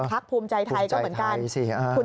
ภูมิใจไทยก็เหมือนกัน